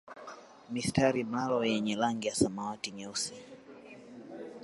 Mistari mlalo yenye rangi ya samawati nyeusi